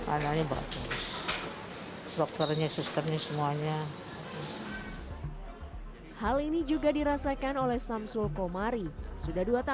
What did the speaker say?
anaknya beratus dokternya sistemnya semuanya